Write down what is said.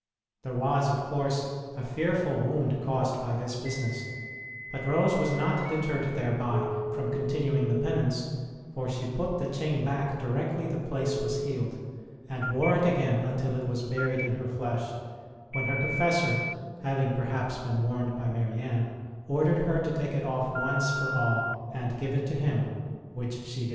There was, of course, a fearful wound caused by this business; but Rose was not deterred thereby from continuing the penance, for she put the chain back directly the place was healed, and wore it again until it was buried in her flesh, when her confessor (having perhaps been warned by Marianne) ordered her to take it off once for all and give it to him, which she did.